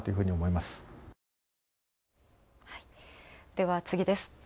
では次です。